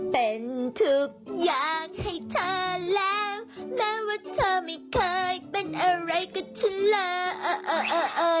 เป็นทุกอย่างให้เธอแล้วแม้ว่าเธอไม่เคยเป็นอะไรกับฉันล่ะเอ่อเอ่อเอ่อ